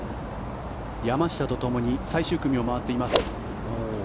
山下とともに最終組を回っています。